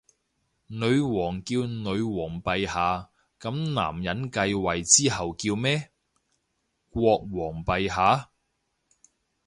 女王叫女皇陛下，噉男人繼位之後叫咩？國王陛下？